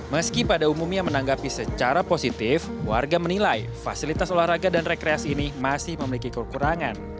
meski pada umumnya menanggapi secara positif warga menilai fasilitas olahraga dan rekreasi ini masih memiliki kekurangan